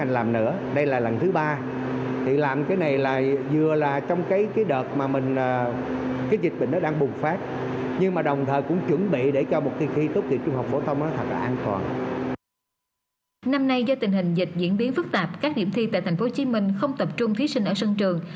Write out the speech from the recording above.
năm nay do tình hình dịch diễn biến phức tạp các điểm thi tại tp hcm không tập trung thí sinh ở sân trường